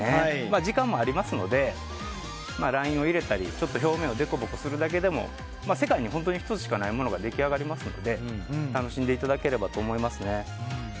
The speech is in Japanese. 時間もありますのでラインを入れたり表面をでこぼこするだけでも世界に本当に１つしかないものが出来上がりますので楽しんでいただければと思いますね。